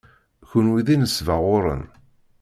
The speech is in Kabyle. Kenwi d inesbaɣuren.